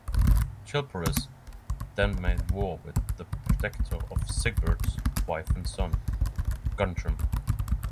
Chilperic then made war with the protector of Sigebert's wife and son, Guntram.